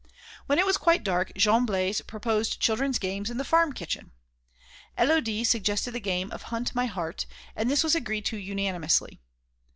When it was quite dark, Jean Blaise proposed children's games in the farm kitchen. Élodie suggested the game of "hunt my heart," and this was agreed to unanimously.